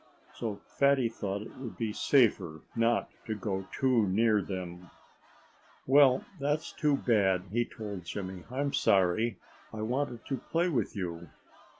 So Fatty thought it would be safer not to go too near them. "Well, it's too bad," he told Jimmy. "I'm sorry. I wanted to play with you."